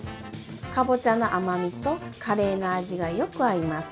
かぼちゃの甘みとカレーの味がよく合います。